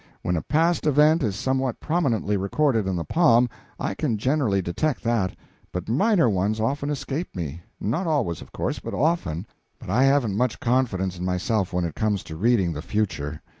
When a past event is somewhat prominently recorded in the palm I can generally detect that, but minor ones often escape me, not always, of course, but often, but I haven't much confidence in myself when it comes to reading the future.